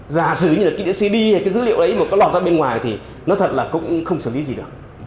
giả sử như là cái cd hay cái dữ liệu đấy mà có lọt ra bên ngoài thì nó thật là cũng không xử lý gì được